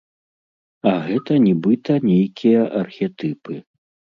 А гэта нібыта нейкія архетыпы.